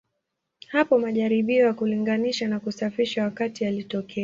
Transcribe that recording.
Hapo majaribio ya kulinganisha na kusafisha wakati yalitokea.